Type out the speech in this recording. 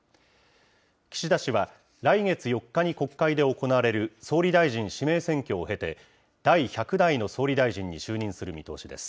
岸田氏は、来月４日に国会で行われる総理大臣指名選挙を経て、第１００代の総理大臣に就任する見通しです。